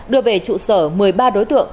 đưa về trụ sở một mươi ba đối tượng